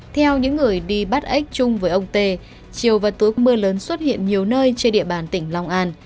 theo những người đi bắt ếch chung với ông tê chiều và tối mưa lớn xuất hiện nhiều nơi trên địa bàn tỉnh long an